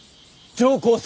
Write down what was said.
上皇様